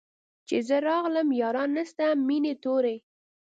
چي زه راغلم ياران نسته مېني توري